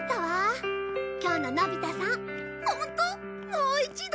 もう一度！